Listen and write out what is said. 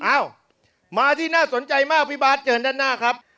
อ้าวมาที่น่าสนใจมากพี่บาทเชิญด้านหน้าครับ